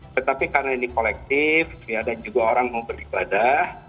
tetapi karena ini kolektif ya dan juga orang mau pergi ke ladah